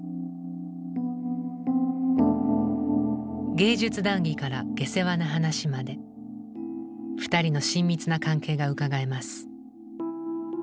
芸術談議から下世話な話まで２人の親密な関係がうかがえます。